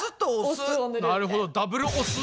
なるほどダブル「おす」？